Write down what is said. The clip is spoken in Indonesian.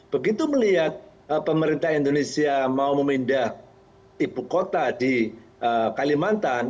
begitu melihat pemerintah indonesia mau memindah ibu kota di kalimantan